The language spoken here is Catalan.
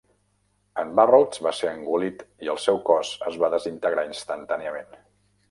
En Burroughs va ser engolit i el seu cos es va desintegrar instantàniament.